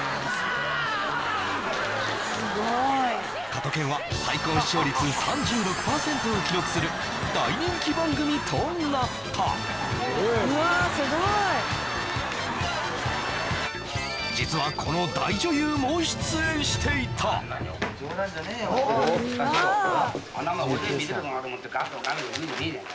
加トケンは最高視聴率３６％を記録する大人気番組となった実はこの大女優も出演していた冗談じゃねえよ